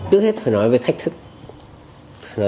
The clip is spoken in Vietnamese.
trước hết phải nói về thách thức